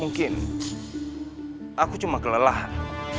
mungkin aku cuma kelelahan